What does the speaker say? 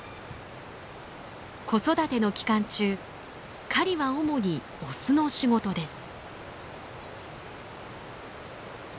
子育ての期間中狩りは主にオスの仕事です。